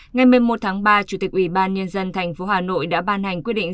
ngày một mươi một tháng ba chủ tịch ủy ban nhân dân tp hà nội đã ban hành quyết định